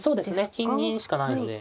金銀しかないので。